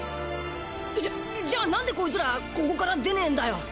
じゃじゃあなんでコイツらここから出ねえんだよ？